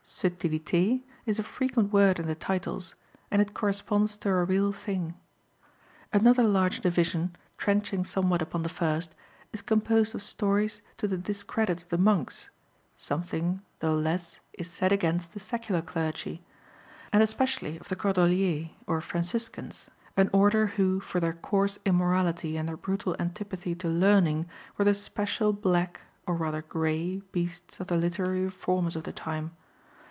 "Subtilité" is a frequent word in the titles, and it corresponds to a real thing. Another large division, trenching somewhat upon the first, is composed of stories to the discredit of the monks (something, though less, is said against the secular clergy), and especially of the Cordeliers or Franciscans, an Order who, for their coarse immorality and their brutal antipathy to learning, were the special black (or rather grey) beasts of the literary reformers of the time.